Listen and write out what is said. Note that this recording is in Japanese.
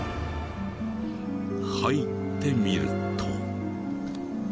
入ってみると。